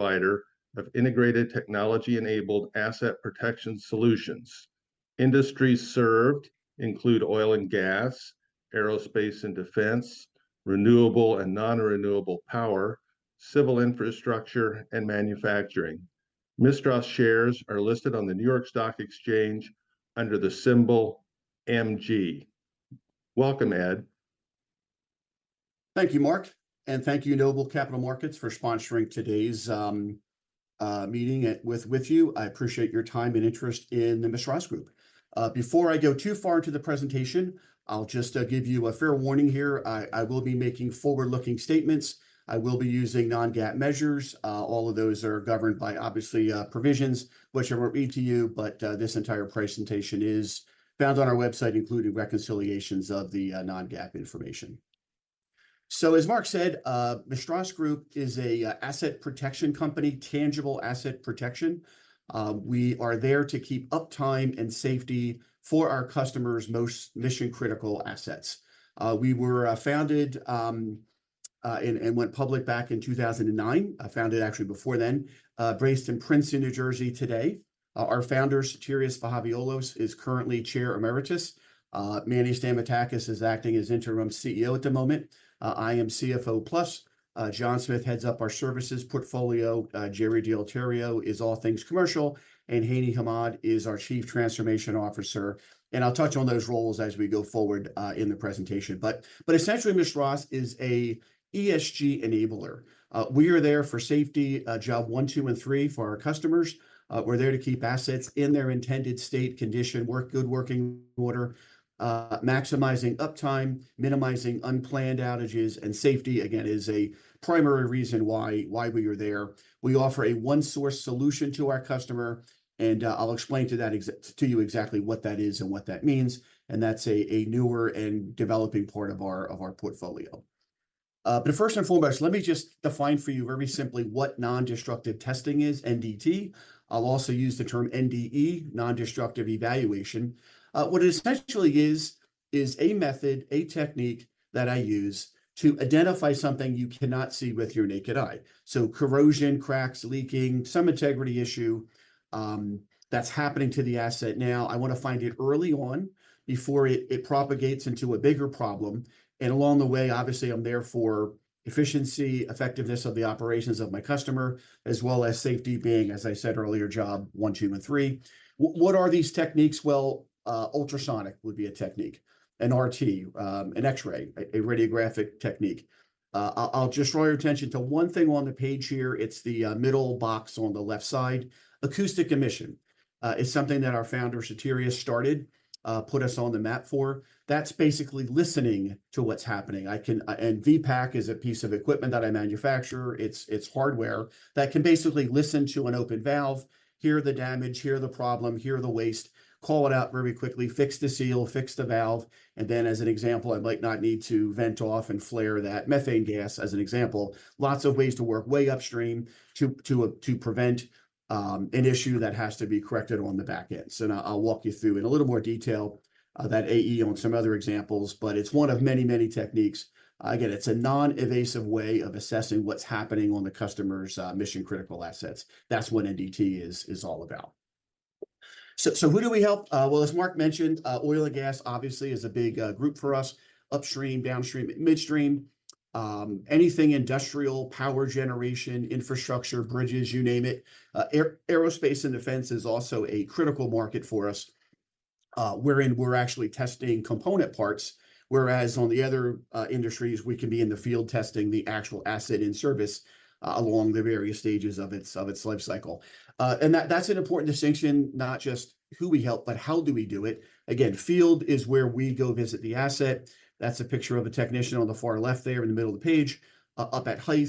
provider of integrated technology-enabled asset protection solutions. Industries served include oil and gas, aerospace and defense, renewable and non-renewable power, civil infrastructure, and manufacturing. MISTRAS shares are listed on the New York Stock Exchange under the symbol MG. Welcome, Ed. Thank you, Mark, and thank you, Noble Capital Markets, for sponsoring today's meeting with you. I appreciate your time and interest in the MISTRAS Group. Before I go too far into the presentation, I'll just give you a fair warning here. I will be making forward-looking statements. I will be using non-GAAP measures. All of those are governed by, obviously, provisions, whichever read to you, but this entire presentation is found on our website, including reconciliations of the non-GAAP information. As Mark said, MISTRAS Group is a asset protection company, tangible asset protection. We are there to keep uptime and safety for our customers' most mission-critical assets. We were founded and went public back in 2009. Founded actually before then. Based in Princeton, New Jersey today. Our Founder, Sotirios Zachariadis, is currently Chair Emeritus. Manny Stamatakis is acting as Interim CEO at the moment. I am CFO plus. John Smith heads up our services portfolio. Gerry Del Terrio is all things commercial, and Hani Hammad is our Chief Transformation Officer, and I'll touch on those roles as we go forward in the presentation, but essentially, MISTRAS is an ESG enabler. We are there for safety, job one, two, and three for our customers. We're there to keep assets in their intended state, condition, good working order, maximizing uptime, minimizing unplanned outages, and safety, again, is a primary reason why we are there. We offer a one-source solution to our customer, and I'll explain to you exactly what that is and what that means, and that's a newer and developing part of our portfolio. But first and foremost, let me just define for you very simply what non-destructive testing is, NDT. I'll also use the term NDE, non-destructive evaluation. What it essentially is, is a method, a technique that I use to identify something you cannot see with your naked eye. So corrosion, cracks, leaking, some integrity issue, that's happening to the asset now. I wanna find it early on before it propagates into a bigger problem, and along the way, obviously, I'm there for efficiency, effectiveness of the operations of my customer, as well as safety being, as I said earlier, job one, two, and three. What are these techniques? Ultrasonic would be a technique, an RT, an X-ray, a radiographic technique. I'll just draw your attention to one thing on the page here. It's the middle box on the left side. Acoustic emission is something that our Founder Sotirios started, put us on the map for. That's basically listening to what's happening. And VPAC is a piece of equipment that I manufacture. It's hardware that can basically listen to an open valve, hear the damage, hear the problem, hear the waste, call it out very quickly, fix the seal, fix the valve, and then, as an example, I might not need to vent off and flare that methane gas, as an example. Lots of ways to work way upstream to prevent an issue that has to be corrected on the back end. So now I'll walk you through in a little more detail, that AE on some other examples, but it's one of many, many techniques. Again, it's a non-invasive way of assessing what's happening on the customer's mission-critical assets. That's what NDT is all about. So who do we help? Well, as Mark mentioned, oil and gas obviously is a big group for us, upstream, downstream, and midstream. Anything industrial, power generation, infrastructure, bridges, you name it. Aerospace and defense is also a critical market for us, wherein we're actually testing component parts, whereas on the other industries, we can be in the field testing the actual asset in service along the various stages of its life cycle. And that's an important distinction, not just who we help, but how do we do it. Again, field is where we go visit the asset. That's a picture of a technician on the far left there in the middle of the page, up at height,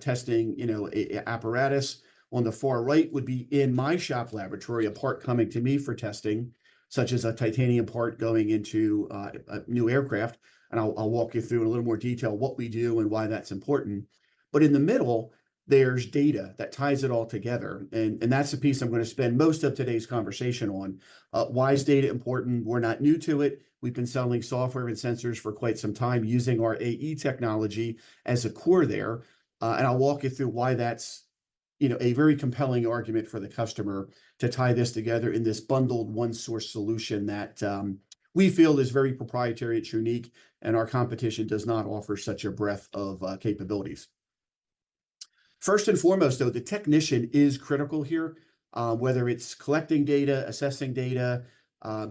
testing, you know, a apparatus. On the far right would be in my shop laboratory, a part coming to me for testing, such as a titanium part going into a new aircraft, and I'll walk you through in a little more detail what we do and why that's important. But in the middle, there's data that ties it all together, and that's the piece I'm gonna spend most of today's conversation on. Why is data important? We're not new to it. We've been selling software and sensors for quite some time, using our AE technology as a core there, and I'll walk you through why that's, you know, a very compelling argument for the customer to tie this together in this bundled one-source solution that, we feel is very proprietary. It's unique, and our competition does not offer such a breadth of, capabilities. First and foremost, though, the technician is critical here, whether it's collecting data, assessing data,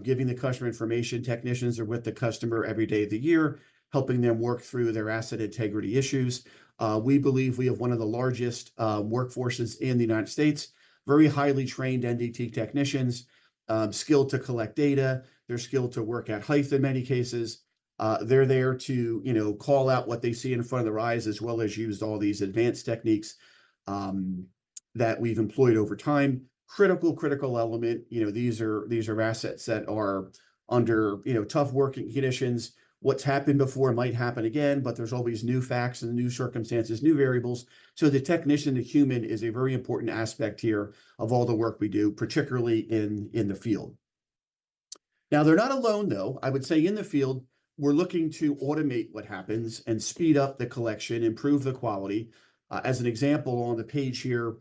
giving the customer information. Technicians are with the customer every day of the year, helping them work through their asset integrity issues. We believe we have one of the largest, workforces in the United States, very highly trained NDT technicians, skilled to collect data. They're skilled to work at height in many cases. They're there to, you know, call out what they see in front of their eyes, as well as use all these advanced techniques that we've employed over time. Critical, critical element. You know, these are assets that are under, you know, tough working conditions. What's happened before might happen again, but there's always new facts and new circumstances, new variables, so the technician, the human, is a very important aspect here of all the work we do, particularly in the field. Now, they're not alone, though. I would say in the field, we're looking to automate what happens and speed up the collection, improve the quality. As an example, on the page here,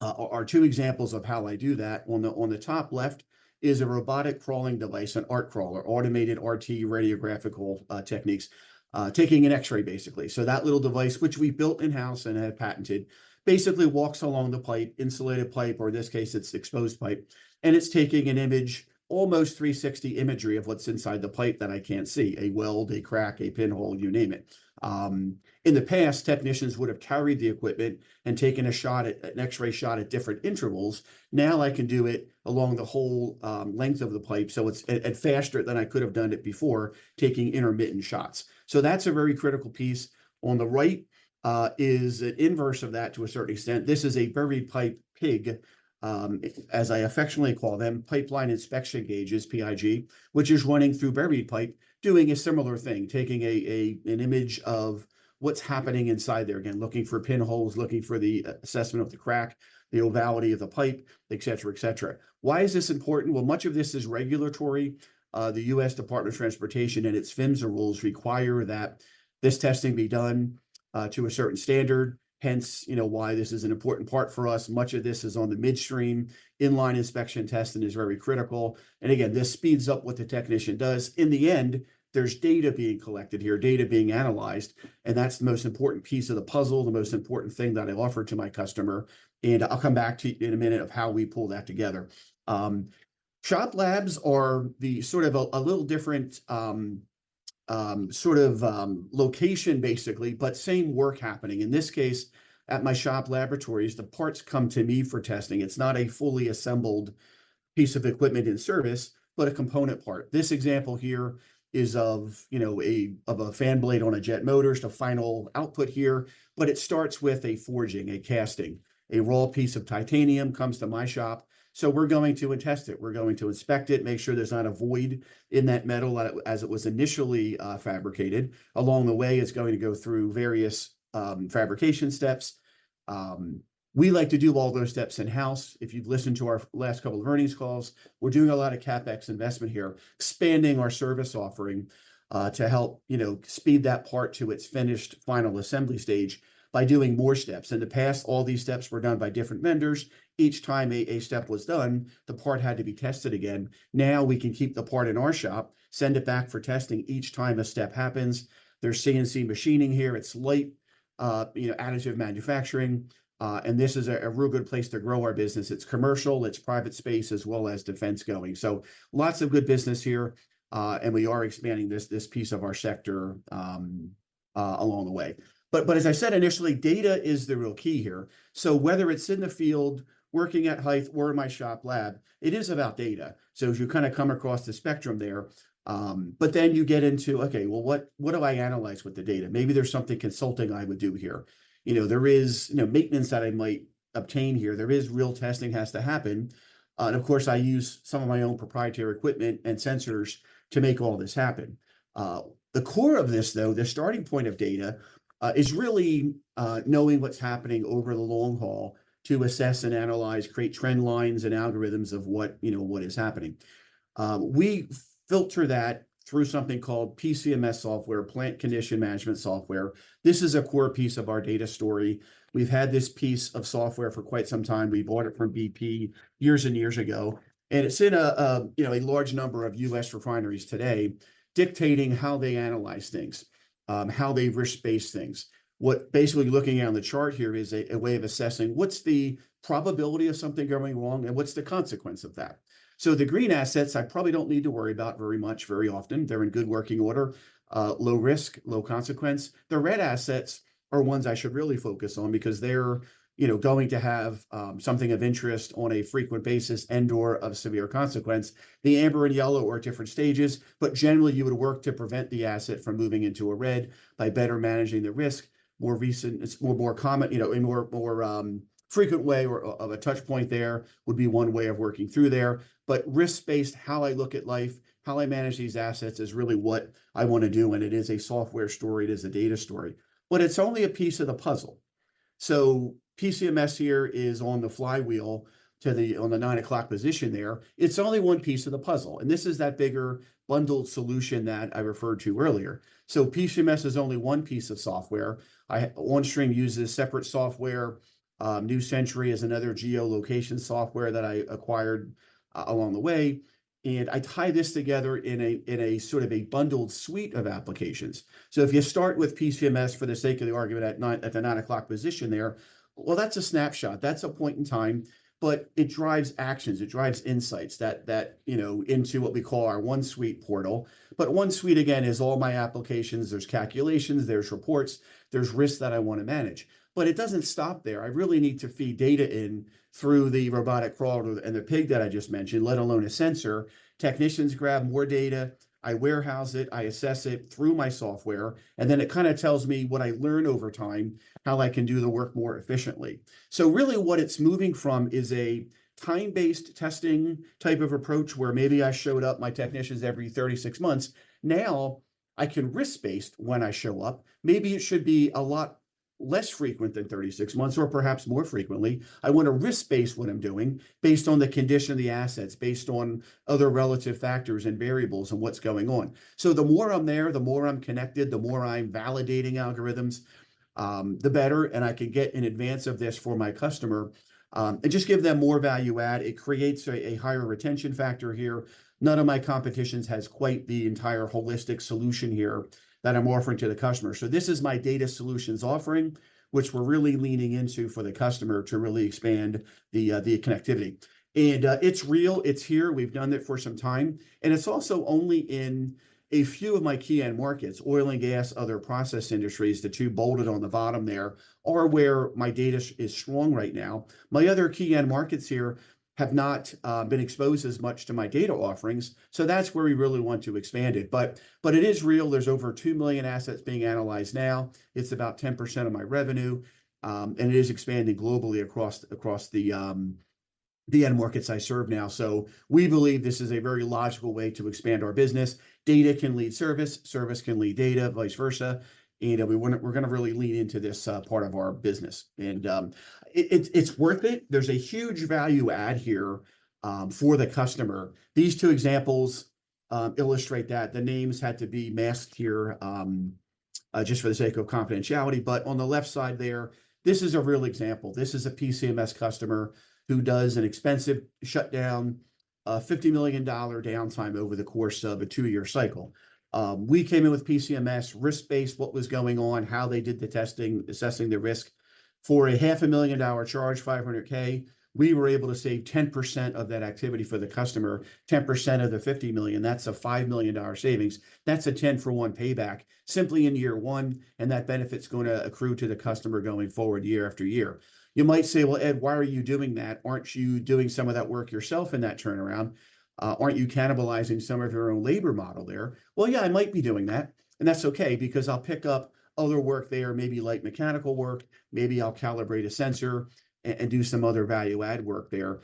are two examples of how I do that. On the top left is a robotic crawling device, an ART crawler, automated RT radiographic techniques, taking an X-ray, basically. So that little device, which we built in-house and have patented, basically walks along the pipe, insulated pipe, or in this case, it's exposed pipe, and it's taking an image, almost 360 imagery of what's inside the pipe that I can't see, a weld, a crack, a pinhole, you name it. In the past, technicians would have carried the equipment and taken an X-ray shot at different intervals. Now, I can do it along the whole length of the pipe, so it's faster than I could have done it before, taking intermittent shots. So that's a very critical piece. On the right is an inverse of that to a certain extent. This is a buried pipe PIG, as I affectionately call them, pipeline inspection gauges, PIG, which is running through buried pipe, doing a similar thing, taking an image of what's happening inside there. Again, looking for pinholes, looking for the assessment of the crack, the ovality of the pipe, et cetera, et cetera. Why is this important? Well, much of this is regulatory. The U.S. Department of Transportation and its PHMSA rules require that this testing be done to a certain standard, hence, you know, why this is an important part for us. Much of this is on the midstream. Inline inspection testing is very critical, and again, this speeds up what the technician does. In the end, there's data being collected here, data being analyzed, and that's the most important piece of the puzzle, the most important thing that I offer to my customer, and I'll come back to you in a minute on how we pull that together. Shop labs are sort of a little different sort of location, basically, but same work happening. In this case, at my shop laboratories, the parts come to me for testing. It's not a fully assembled piece of equipment in service, but a component part. This example here is of, you know, a fan blade on a jet motor. It's the final output here, but it starts with a forging, a casting. A raw piece of titanium comes to my shop, so we're going to test it. We're going to inspect it, make sure there's not a void in that metal as it was initially fabricated. Along the way, it's going to go through various fabrication steps. We like to do all those steps in-house. If you've listened to our last couple of earnings calls, we're doing a lot of CapEx investment here, expanding our service offering to help, you know, speed that part to its finished final assembly stage by doing more steps. In the past, all these steps were done by different vendors. Each time a step was done, the part had to be tested again. Now, we can keep the part in our shop, send it back for testing each time a step happens. There's CNC machining here. It's light, you know, additive manufacturing, and this is a real good place to grow our business. It's commercial, it's private space, as well as defense going, so lots of good business here, and we are expanding this piece of our sector along the way, but as I said initially, data is the real key here, so whether it's in the field, working at height, or in my shop lab, it is about data, so as you kind of come across the spectrum there, but then you get into, "Okay, well, what do I analyze with the data?" Maybe there's something consulting I would do here. You know, there is, you know, maintenance that I might obtain here. There is real testing has to happen, and of course, I use some of my own proprietary equipment and sensors to make all this happen. The core of this, though, the starting point of data, is really, knowing what's happening over the long haul to assess and analyze, create trend lines and algorithms of what, you know, what is happening. We filter that through something called PCMS software, Plant Condition Management Software. This is a core piece of our data story. We've had this piece of software for quite some time. We bought it from BP years and years ago, and it's in a, you know, a large number of U.S. refineries today, dictating how they analyze things, how they risk-based things. Basically, looking on the chart here is a way of assessing, what's the probability of something going wrong, and what's the consequence of that? So the green assets, I probably don't need to worry about very much, very often. They're in good working order, low risk, low consequence. The red assets are ones I should really focus on because they're, you know, going to have something of interest on a frequent basis and/or of severe consequence. The amber and yellow are different stages, but generally, you would work to prevent the asset from moving into a red by better managing the risk. More recent, it's more common, you know, in more frequent way or of a touch point there, would be one way of working through there. But risk-based, how I look at life, how I manage these assets, is really what I want to do, and it is a software story, it is a data story. But it's only a piece of the puzzle. So PCMS here is on the flywheel to the, on the nine o'clock position there. It's only one piece of the puzzle, and this is that bigger bundled solution that I referred to earlier, so PCMS is only one piece of software. Onstream uses separate software. New Century is another geolocation software that I acquired along the way, and I tie this together in a sort of a bundled suite of applications. So if you start with PCMS, for the sake of the argument, at the nine o'clock position there, that's a snapshot. That's a point in time, but it drives actions, it drives insights that you know into what we call our OneSuite portal. But OneSuite, again, is all my applications. There's calculations, there's reports, there's risks that I want to manage, but it doesn't stop there. I really need to feed data in through the robotic crawler and the PIG that I just mentioned, let alone a sensor. Technicians grab more data, I warehouse it, I assess it through my software, and then it kind of tells me what I learn over time, how I can do the work more efficiently. So really, what it's moving from is a time-based testing type of approach, where maybe I showed up my technicians every thirty-six months. Now, I can risk-based when I show up. Maybe it should be a lot less frequent than 36 months, or perhaps more frequently. I wanna risk-base what I'm doing based on the condition of the assets, based on other relative factors and variables, and what's going on. So the more I'm there, the more I'm connected, the more I'm validating algorithms, the better, and I could get in advance of this for my customer, and just give them more value add. It creates a higher retention factor here. None of my competitions has quite the entire holistic solution here that I'm offering to the customer. So this is my data solutions offering, which we're really leaning into for the customer to really expand the connectivity. And, it's real, it's here, we've done it for some time, and it's also only in a few of my key end markets, oil and gas, other process industries. The two bolded on the bottom there are where my data solutions is strong right now. My other key end markets here have not been exposed as much to my data offerings, so that's where we really want to expand it. But it is real. There's over two million assets being analyzed now. It's about 10% of my revenue, and it is expanding globally across the end markets I serve now. So we believe this is a very logical way to expand our business. Data can lead service, service can lead data, vice versa, and we're gonna really lean into this part of our business. And it is worth it. There's a huge value add here for the customer. These two examples illustrate that. The names had to be masked here just for the sake of confidentiality, but on the left side there, this is a real example. This is a PCMS customer who does an expensive shutdown, a $50 million downtime over the course of a two-year cycle. We came in with PCMS, risk-based what was going on, how they did the testing, assessing the risk. For a $500,000 charge, $500,000, we were able to save 10% of that activity for the customer, 10% of the $50 million, that's a $5 million savings. That's a 10-for-1 payback simply in year one, and that benefit's gonna accrue to the customer going forward, year after year. You might say, "Well, Ed, why are you doing that? Aren't you doing some of that work yourself in that turnaround? Aren't you cannibalizing some of your own labor model there?" Well, yeah, I might be doing that, and that's okay because I'll pick up other work there, maybe light mechanical work, maybe I'll calibrate a sensor and do some other value-add work there.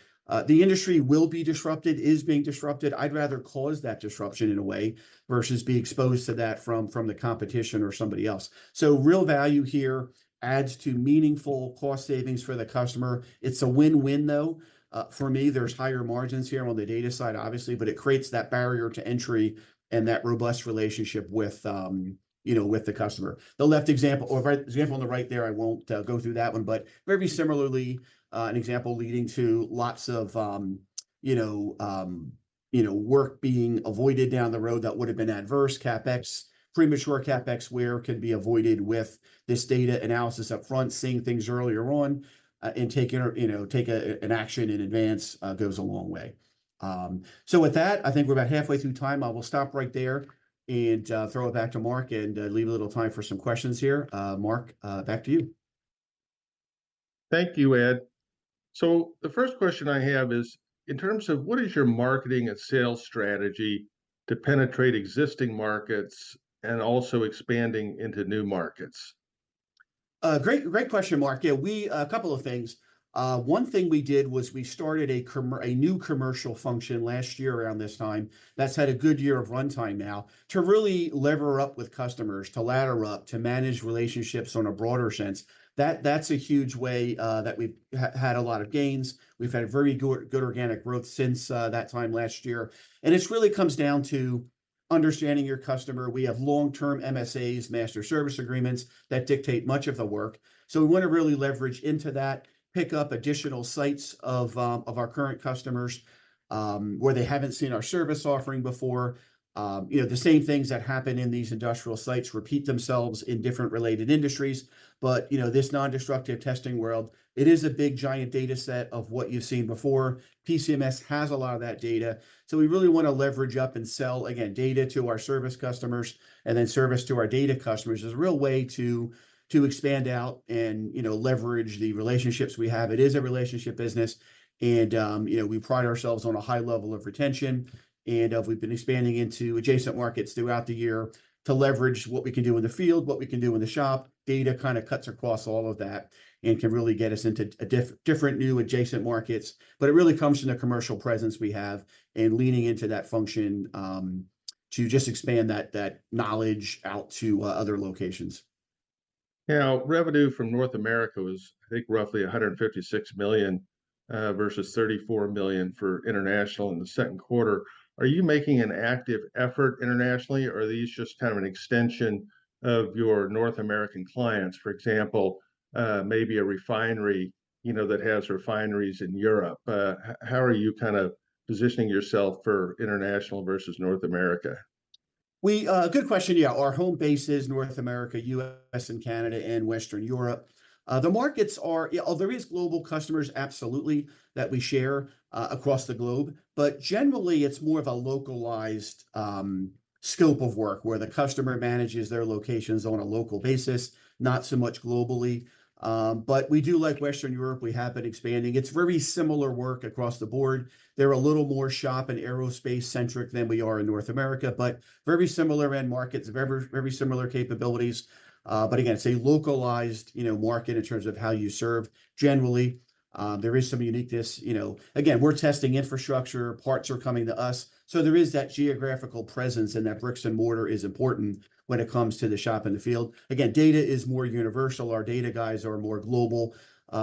The industry will be disrupted, is being disrupted. I'd rather cause that disruption, in a way, versus be exposed to that from the competition or somebody else. So real value here adds to meaningful cost savings for the customer. It's a win-win, though. For me, there's higher margins here on the data side, obviously, but it creates that barrier to entry and that robust relationship with, you know, with the customer. The left example, or right example on the right there, I won't go through that one, but very similarly, an example leading to lots of, you know, work being avoided down the road that would've been adverse CapEx. Premature CapEx wear can be avoided with this data analysis up front, seeing things earlier on, and taking, you know, an action in advance goes a long way. So with that, I think we're about halfway through time. I will stop right there and throw it back to Mark, and leave a little time for some questions here. Mark, back to you. Thank you, Ed. So the first question I have is, in terms of what is your marketing and sales strategy to penetrate existing markets and also expanding into new markets? Great, great question, Mark. Yeah, we... A couple of things. One thing we did was we started a new commercial function last year around this time, that's had a good year of runtime now, to really lever up with customers, to ladder up, to manage relationships on a broader sense. That, that's a huge way, that we've had a lot of gains. We've had very good, good organic growth since, that time last year, and it's really comes down to understanding your customer. We have long-term MSAs, master service agreements, that dictate much of the work, so we wanna really leverage into that, pick up additional sites of, of our current customers, where they haven't seen our service offering before. You know, the same things that happen in these industrial sites repeat themselves in different related industries, but, you know, this non-destructive testing world, it is a big, giant data set of what you've seen before. PCMS has a lot of that data, so we really wanna leverage up and sell, again, data to our service customers, and then service to our data customers, as a real way to expand out and, you know, leverage the relationships we have. It is a relationship business, and, you know, we pride ourselves on a high level of retention, and we've been expanding into adjacent markets throughout the year to leverage what we can do in the field, what we can do in the shop. Data kind of cuts across all of that and can really get us into a different new adjacent markets, but it really comes from the commercial presence we have, and leaning into that function, to just expand that knowledge out to other locations. Now, revenue from North America was, I think, roughly $156 million versus $34 million for international in the second quarter. Are you making an active effort internationally, or are these just kind of an extension of your North American clients? For example, maybe a refinery, you know, that has refineries in Europe. How are you kind of positioning yourself for international versus North America? Good question. Yeah, our home base is North America, US and Canada, and Western Europe. The markets are, yeah, there is global customers, absolutely, that we share across the globe, but generally, it's more of a localized scope of work, where the customer manages their locations on a local basis, not so much globally. But we do like Western Europe. We have been expanding. It's very similar work across the board. They're a little more shop and aerospace-centric than we are in North America, but very similar end markets, very, very similar capabilities. But again, it's a localized, you know, market in terms of how you serve. Generally, there is some uniqueness. You know, again, we're testing infrastructure, parts are coming to us, so there is that geographical presence, and that bricks and mortar is important when it comes to the shop in the field. Again, data is more universal. Our data guys are more global.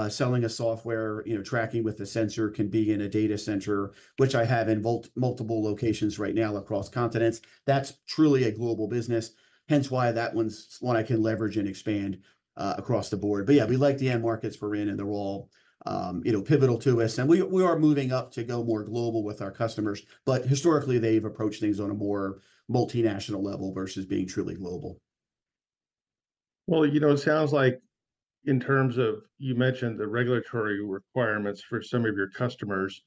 Selling a software, you know, tracking with a sensor can be in a data center, which I have in multiple locations right now across continents. That's truly a global business, hence why that one's one I can leverage and expand across the board. But yeah, we like the end markets we're in, and they're all, you know, pivotal to us. And we are moving up to go more global with our customers, but historically they've approached things on a more multinational level versus being truly global. You know, it sounds like in terms of, you mentioned the regulatory requirements for some of your customers,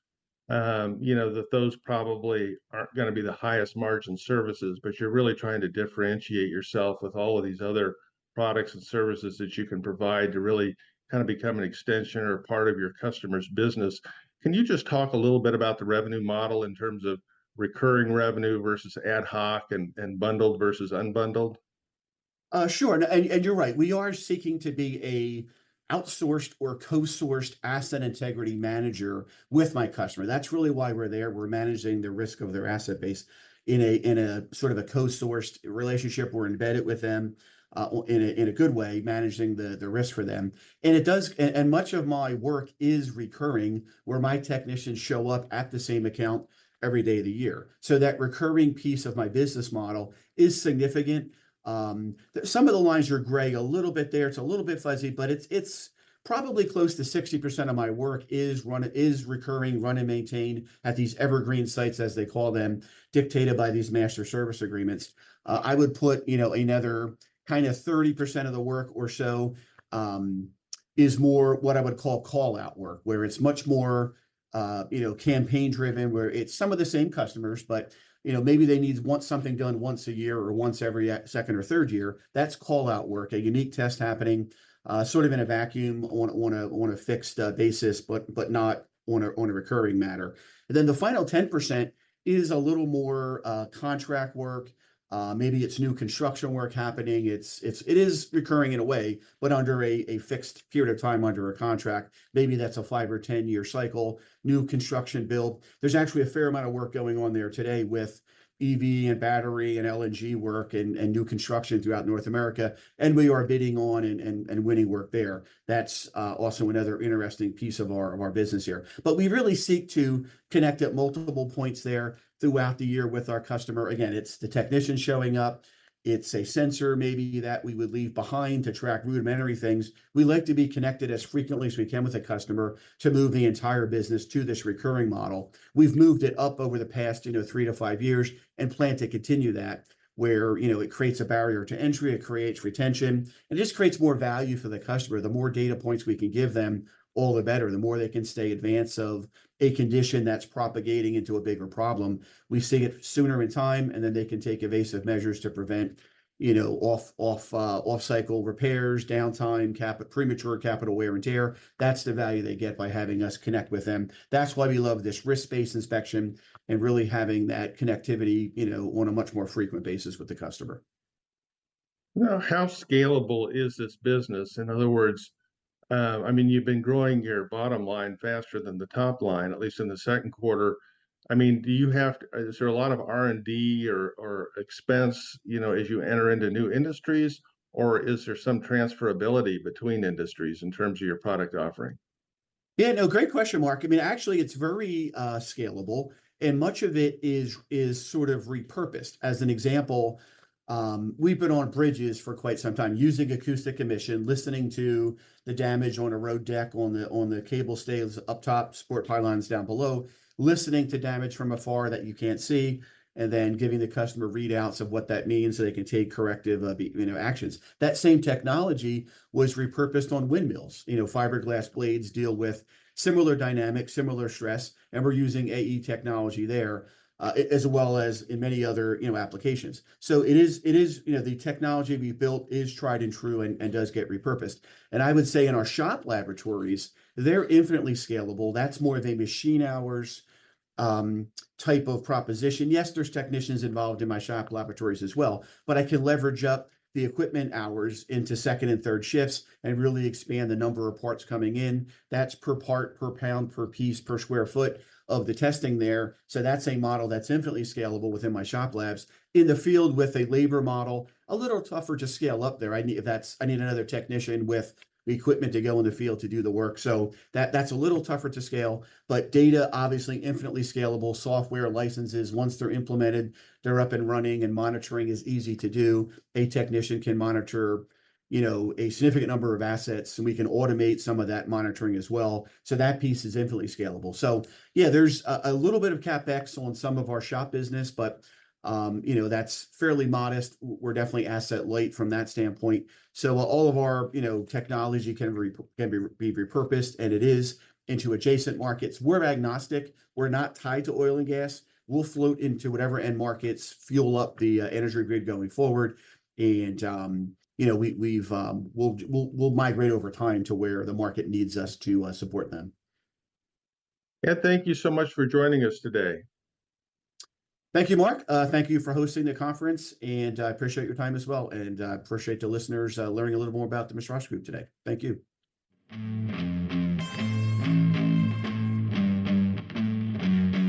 you know, that those probably aren't gonna be the highest margin services. But you're really trying to differentiate yourself with all of these other products and services that you can provide, to really kind of become an extension or a part of your customer's business. Can you just talk a little bit about the revenue model in terms of recurring revenue versus ad hoc, and bundled versus unbundled? Sure, and you're right, we are seeking to be a outsourced or co-sourced asset integrity manager with my customer. That's really why we're there. We're managing the risk of their asset base in a sort of a co-sourced relationship. We're embedded with them in a good way, managing the risk for them. And much of my work is recurring, where my technicians show up at the same account every day of the year. So that recurring piece of my business model is significant. Some of the lines are gray a little bit there, it's a little bit fuzzy, but it's probably close to 60% of my work is recurring, run and maintained at these evergreen sites, as they call them, dictated by these master service agreements. I would put, you know, another kind of 30% of the work or so, is more what I would call call-out work, where it's much more, you know, campaign-driven. Where it's some of the same customers, but, you know, maybe they need, want something done once a year or once every second or third year. That's call-out work, a unique test happening, sort of in a vacuum on a fixed basis, but not on a recurring matter, and then the final 10% is a little more contract work, maybe it's new construction work happening. It is recurring in a way, but under a fixed period of time under a contract. Maybe that's a five or 10-year cycle, new construction build. There's actually a fair amount of work going on there today with EV and battery, and LNG work, and new construction throughout North America, and we are bidding on and winning work there. That's also another interesting piece of our business here. But we really seek to connect at multiple points there throughout the year with our customer. Again, it's the technician showing up, it's a sensor maybe that we would leave behind to track rudimentary things. We like to be connected as frequently as we can with a customer to move the entire business to this recurring model. We've moved it up over the past, you know, three to five years, and plan to continue that, where, you know, it creates a barrier to entry, it creates retention, and it just creates more value for the customer. The more data points we can give them, all the better. The more they can stay ahead of a condition that's propagating into a bigger problem, we see it sooner in time, and then they can take evasive measures to prevent, you know, off-cycle repairs, downtime, premature capital wear and tear. That's the value they get by having us connect with them. That's why we love this risk-based inspection, and really having that connectivity, you know, on a much more frequent basis with the customer. How scalable is this business? In other words, I mean, you've been growing your bottom line faster than the top line, at least in the second quarter. I mean, do you have- is there a lot of R&D or expense, you know, as you enter into new industries? Or is there some transferability between industries in terms of your product offering? Yeah, no, great question, Mark. I mean, actually, it's very scalable, and much of it is sort of repurposed. As an example, we've been on bridges for quite some time using acoustic emission, listening to the damage on a road deck, on the cable stays up top, support pylons down below. Listening to damage from afar that you can't see, and then giving the customer readouts of what that means, so they can take corrective, you know, actions. That same technology was repurposed on windmills. You know, fiberglass blades deal with similar dynamics, similar stress, and we're using AE technology there, as well as in many other, you know, applications. So it is. You know, the technology we built is tried and true, and does get repurposed. And I would say in our shop laboratories, they're infinitely scalable. That's more of a machine hours type of proposition. Yes, there's technicians involved in my shop laboratories as well, but I can leverage up the equipment hours into second and third shifts, and really expand the number of parts coming in. That's per part, per pound, per piece, per square foot of the testing there. So that's a model that's infinitely scalable within my shop labs. In the field with a labor model, a little tougher to scale up there. I need another technician with the equipment to go in the field to do the work. So that's a little tougher to scale. But data, obviously infinitely scalable. Software licenses, once they're implemented, they're up and running, and monitoring is easy to do. A technician can monitor, you know, a significant number of assets, and we can automate some of that monitoring as well. So that piece is infinitely scalable. So yeah, there's a little bit of CapEx on some of our shop business, but, you know, that's fairly modest. We're definitely asset light from that standpoint. So all of our, you know, technology can be repurposed, and it is, into adjacent markets. We're agnostic, we're not tied to oil and gas. We'll float into whatever end markets fuel up the energy grid going forward. And, you know, we'll migrate over time to where the market needs us to support them. Ed, thank you so much for joining us today. Thank you, Mark. Thank you for hosting the conference, and I appreciate your time as well, and appreciate the listeners learning a little more about the MISTRAS Group today. Thank you.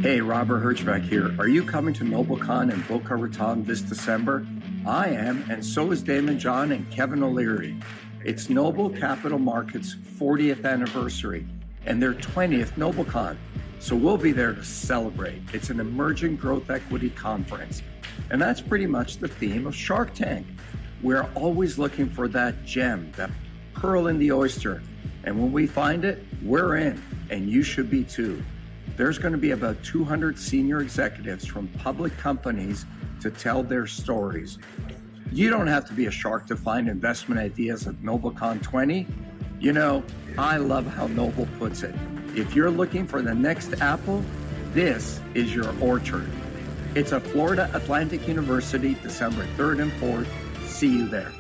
Hey, Robert Herjavec here. Are you coming to NobleCon and Boca Raton this December? I am, and so is Daymond John and Kevin O'Leary. It's Noble Capital Markets' 40th anniversary, and their 20th NobleCon, so we'll be there to celebrate. It's an emerging growth equity conference, and that's pretty much the theme of Shark Tank. We're always looking for that gem, that pearl in the oyster, and when we find it, we're in, and you should be, too. There's gonna be about 200 senior executives from public companies to tell their stories. You don't have to be a Shark to find investment ideas at NobleCon20. You know, I love how Noble puts it: "If you're looking for the next Apple, this is your orchard." It's at Florida Atlantic University, December 3rd and 4th. See you there!